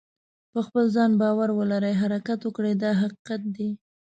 په خپل ځان باور ولره حرکت وکړه دا حقیقت دی.